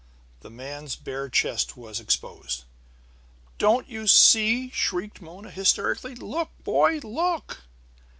The man's bare chest was exposed. "Don't you see?" shrieked Mona hysterically. "Look, boy! Look!"